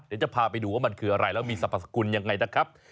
เดี๋ยวจะพาไปดูว่ามันคืออะไรแล้วมีสรรพสกุลยังไงนะครับ